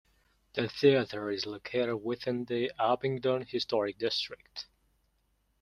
The theatre is located within the Abingdon Historic District.